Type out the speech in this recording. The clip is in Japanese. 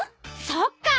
そっか！